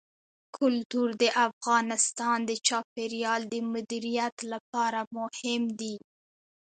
کلتور د افغانستان د چاپیریال د مدیریت لپاره مهم دي.